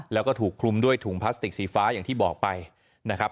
แล้วก็ถูกคลุมด้วยถุงพลาสติกสีฟ้าอย่างที่บอกไปนะครับ